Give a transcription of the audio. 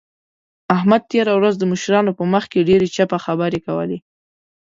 احمد تېره ورځ د مشرانو په مخ کې ډېرې چپه خبرې کولې.